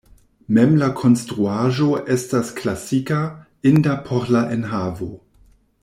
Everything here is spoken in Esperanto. Mem la konstruaĵo estas klasika, inda por la enhavo.